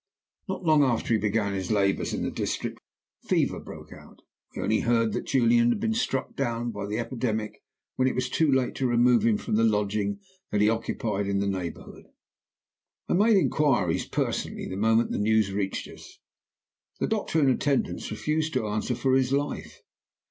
Not long after he began his labors in the district fever broke out. We only heard that Julian had been struck down by the epidemic when it was too late to remove him from the lodging that he occupied in the neighborhood. I made inquiries personally the moment the news reached us. The doctor in attendance refused to answer for his life.